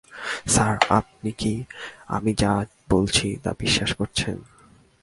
Sir, আপনি কি আমি যা বলছি, তা বিশ্বাস করছেন?